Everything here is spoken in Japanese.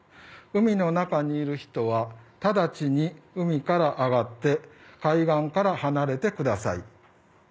海の中にいる人はただちに海から上がって海岸から離れてください。